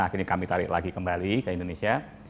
akhirnya kami tarik lagi kembali ke indonesia